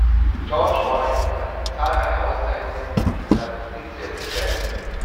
George Wein erhielt zahlreiche Auszeichnungen für seine Verdienste um den Jazz.